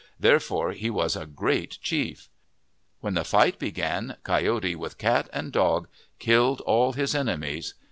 There fore he was a great chief. When the fight began, Coyote with Cat and Dog killed all his enemies.